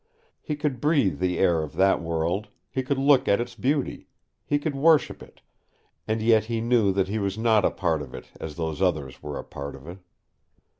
He could breathe the air of that world, he could look at its beauty, he could worship it and yet he knew that he was not a part of it as those others were a part of it.